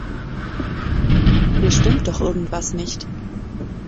Hier stimmt doch irgendwas nicht.